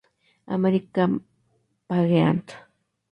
American Pageant"